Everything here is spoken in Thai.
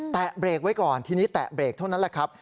เบรกไว้ก่อนทีนี้แตะเบรกเท่านั้นแหละครับ